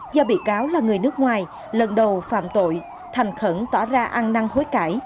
do bị cáo là người nước ngoài lần đầu phạm tội thành khẩn tỏ ra ăn năng hối cãi